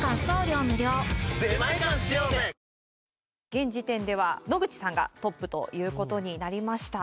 現時点では、野口さんがトップということになりました。